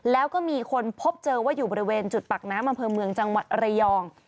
แล้วก็มีคนพบเจอว่าอยู่บริเวณจุดปากน้ำอำเภอเมืองจังหวัดระยอง